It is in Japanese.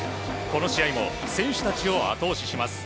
この試合も選手たちを後押しします。